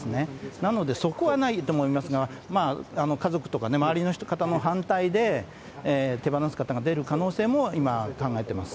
なので、そこはないと思いますが、家族とかね、周りの方の反対で、手放す方が出る可能性も今、考えています。